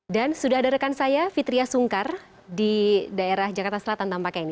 dan sudah ada rekan saya fitria sungkar di daerah jakarta selatan tampaknya ini